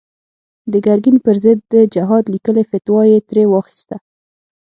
د ګرګين پر ضد د جهاد ليکلې فتوا يې ترې واخيسته.